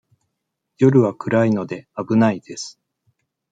夜は暗いので、危ないです。